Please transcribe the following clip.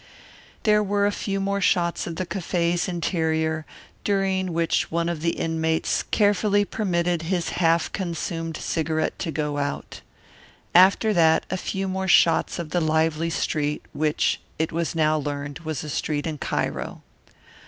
There were a few more shots of the cafe's interior during which one of the inmates carefully permitted his half consumed cigarette to go out. After that a few more shots of the lively street which, it was now learned, was a street in Cairo.